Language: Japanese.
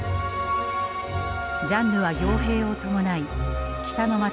ジャンヌは傭兵を伴い北の街